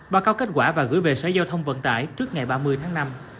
báo cáo kết quả và gửi về sở giao thông vận tải trước ngày ba mươi tháng năm